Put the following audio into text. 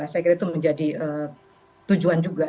saya kira itu menjadi tujuan juga